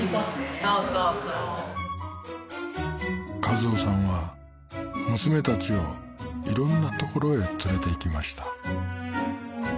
そうそうそう一男さんは娘たちをいろんな所へ連れて行きました